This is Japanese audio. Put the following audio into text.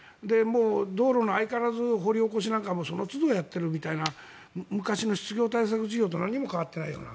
道路も相変わらず掘り起こしなんかもそのつどやってるみたいな昔の失業対策事業と何も変わっていないような。